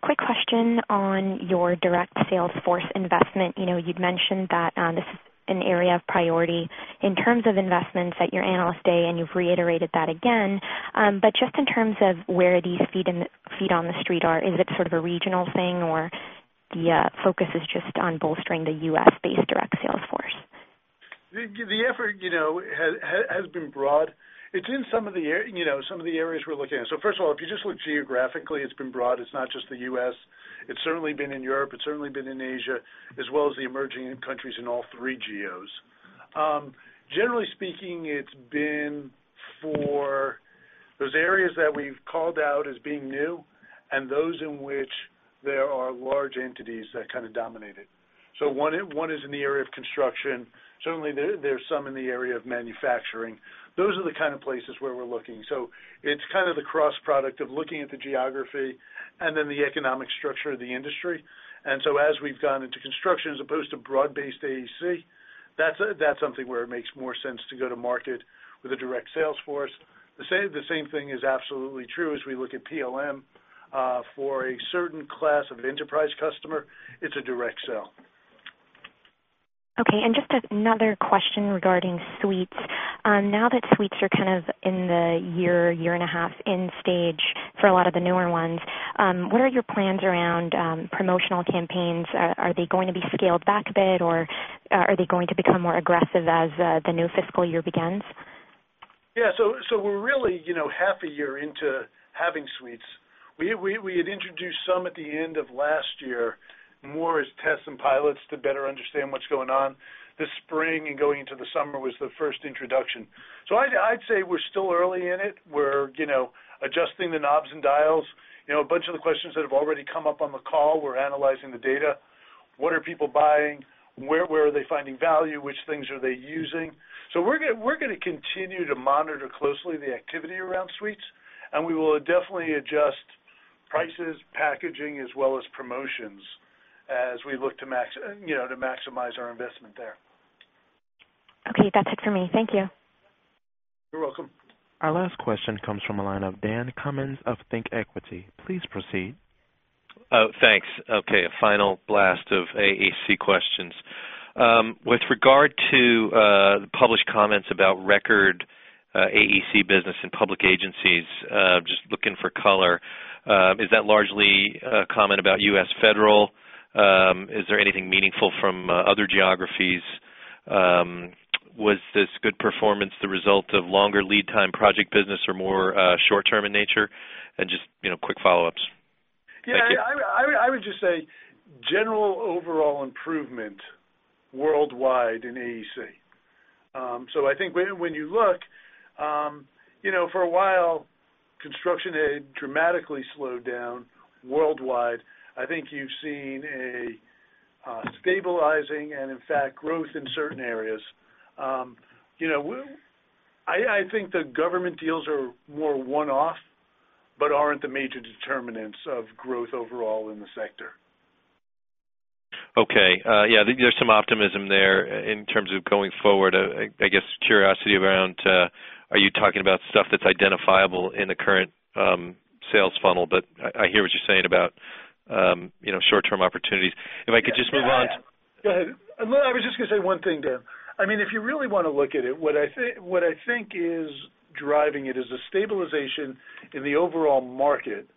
[SPEAKER 20] Quick question on your direct sales force investment. You'd mentioned that this is an area of priority in terms of investments at your analyst day, and you've reiterated that again. Just in terms of where these feet on the street are, is it sort of a regional thing, or the focus is just on bolstering the U.S.-based direct sales force?
[SPEAKER 3] The effort has been broad. It's in some of the areas we're looking at. First of all, if you just look geographically, it's been broad. It's not just the U.S. It's certainly been in Europe. It's certainly been in Asia, as well as the emerging countries in all three geos. Generally speaking, it's been for those areas that we've called out as being new and those in which there are large entities that kind of dominate it. One is in the area of construction. Certainly, there's some in the area of manufacturing. Those are the kind of places where we're looking. It's kind of the cross product of looking at the geography and then the economic structure of the industry. As we've gone into construction, as opposed to broad-based AEC, that's something where it makes more sense to go to market with a direct sales force. The same thing is absolutely true as we look at PLM. For a certain class of enterprise customer, it's a direct sale.
[SPEAKER 20] Okay. Just another question regarding suites. Now that suites are kind of in the year, year and a half in stage for a lot of the newer ones, what are your plans around promotional campaigns? Are they going to be scaled back a bit, or are they going to become more aggressive as the new fiscal year begins?
[SPEAKER 3] Yeah, so we're really half a year into having suites. We had introduced some at the end of last year, more as tests and pilots to better understand what's going on. This spring and going into the summer was the first introduction. I'd say we're still early in it. We're adjusting the knobs and dials. A bunch of the questions that have already come up on the call, we're analyzing the data. What are people buying? Where are they finding value? Which things are they using? We're going to continue to monitor closely the activity around suites, and we will definitely adjust prices, packaging, as well as promotions as we look to maximize our investment there.
[SPEAKER 20] Okay, that's it for me. Thank you.
[SPEAKER 3] You're welcome.
[SPEAKER 1] Our last question comes from a line of Dan Cummins of ThinkEquity. Please proceed.
[SPEAKER 21] Thanks. Okay, a final blast of AEC questions. With regard to the published comments about record AEC business in public agencies, just looking for color, is that largely a comment about U.S. federal? Is there anything meaningful from other geographies? Was this good performance the result of longer lead time project business or more short-term in nature? Just, you know, quick follow-ups.
[SPEAKER 3] I would just say general overall improvement worldwide in AEC. I think when you look, for a while, construction had dramatically slowed down worldwide. I think you've seen a stabilizing and, in fact, growth in certain areas. I think the government deals are more one-off, but aren't the major determinants of growth overall in the sector.
[SPEAKER 21] Okay, yeah, there's some optimism there in terms of going forward. I guess curiosity around, are you talking about stuff that's identifiable in the current sales funnel? I hear what you're saying about short-term opportunities. If I could just move on.
[SPEAKER 3] I was just going to say one thing, Dan. If you really want to look at it, what I think is driving it is a stabilization in the overall market,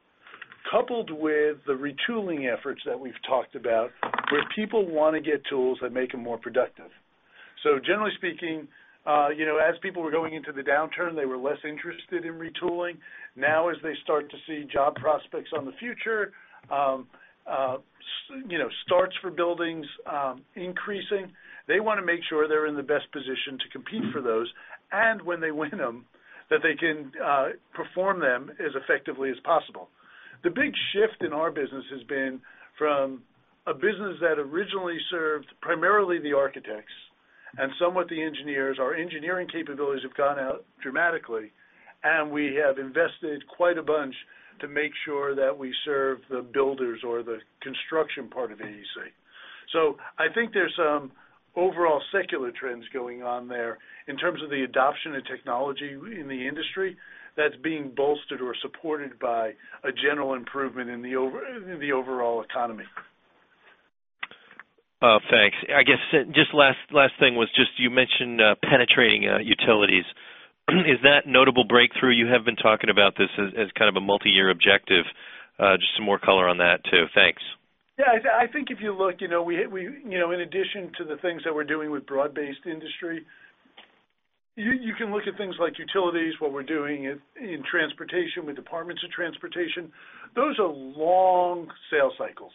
[SPEAKER 3] coupled with the retooling efforts that we've talked about, where people want to get tools that make them more productive. Generally speaking, as people were going into the downturn, they were less interested in retooling. Now, as they start to see job prospects on the future, starts for buildings increasing, they want to make sure they're in the best position to compete for those, and when they win them, that they can perform them as effectively as possible. The big shift in our business has been from a business that originally served primarily the architects and somewhat the engineers. Our engineering capabilities have gone out dramatically, and we have invested quite a bunch to make sure that we serve the builders or the construction part of AEC. I think there's some overall secular trends going on there in terms of the adoption of technology in the industry that's being bolstered or supported by a general improvement in the overall economy.
[SPEAKER 21] Thanks. I guess just last thing was just you mentioned penetrating utilities. Is that a notable breakthrough? You have been talking about this as kind of a multi-year objective. Just some more color on that too. Thanks.
[SPEAKER 3] I think if you look, in addition to the things that we're doing with broad-based industry, you can look at things like utilities, what we're doing in transportation with departments of transportation. Those are long sales cycles.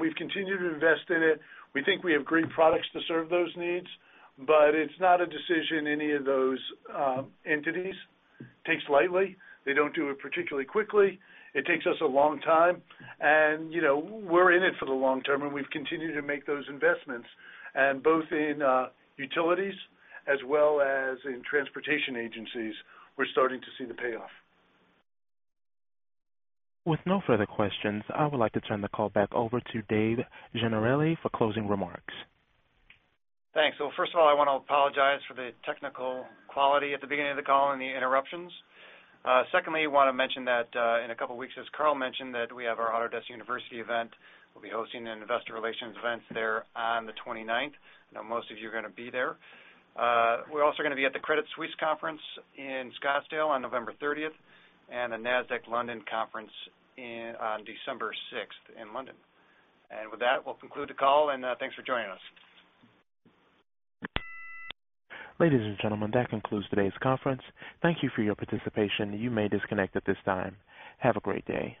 [SPEAKER 3] We've continued to invest in it. We think we have great products to serve those needs, but it's not a decision any of those entities take lightly. They don't do it particularly quickly. It takes us a long time. We're in it for the long term, and we've continued to make those investments. Both in utilities as well as in transportation agencies, we're starting to see the payoff.
[SPEAKER 1] With no further questions, I would like to turn the call back over to Dave Gennarelli for closing remarks.
[SPEAKER 2] Thanks. First of all, I want to apologize for the technical quality at the beginning of the call and the interruptions. Secondly, I want to mention that in a couple of weeks, as Carl mentioned, we have our Autodesk University event. We'll be hosting an Investor Relations event there on the 29th. I know most of you are going to be there. We're also going to be at the Credit Suisse Conference in Scottsdale on November 30th and the Nasdaq London Conference on December 6th in London. With that, we'll conclude the call, and thanks for joining us.
[SPEAKER 1] Ladies and gentlemen, that concludes today's conference. Thank you for your participation. You may disconnect at this time. Have a great day.